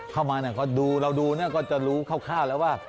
เข้ามาก็ดูเราดูก็จะรู้คร่าวแล้วว่า